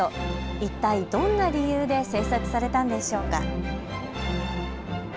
一体どんな理由で制作されたんでしょうか。